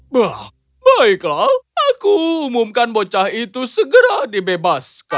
baiklah aku umumkan bocah itu segera dibebaskan